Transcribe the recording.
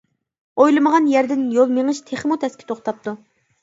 ئويلىمىغان يەردىن يول مېڭىش تېخىمۇ تەسكە توختاپتۇ.